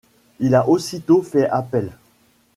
Il a aussitôt fait appel.